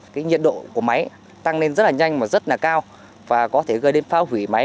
cái nhiệt độ của máy tăng lên rất là nhanh và rất là cao và có thể gây đến phá hủy máy